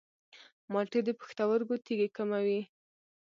مالټې د پښتورګو تیږې کموي.